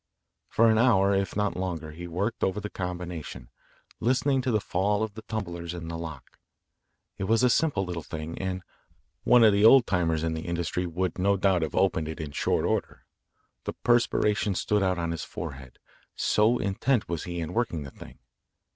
For an hour if not longer he worked over the combination, listening to the fall of the tumblers in the lock. It was a simple little thing and one of the old timers in the industry would no doubt have opened it in short order. The perspiration stood out on his forehead, so intent was he in working the thing.